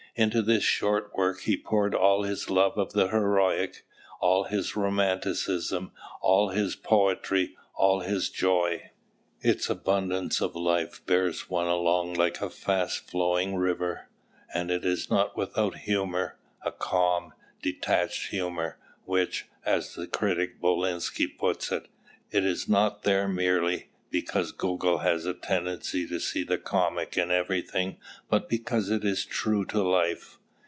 Into this short work he poured all his love of the heroic, all his romanticism, all his poetry, all his joy. Its abundance of life bears one along like a fast flowing river. And it is not without humour, a calm, detached humour, which, as the critic Bolinsky puts it, is not there merely "because Gogol has a tendency to see the comic in everything, but because it is true to life."